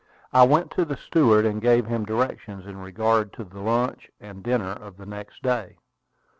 I went to the steward, and gave him directions in regard to the lunch and dinner for the next day.